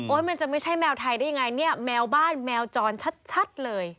มันจะไม่ใช่แมวไทยได้ยังไงเนี่ยแมวบ้านแมวจรชัดเลย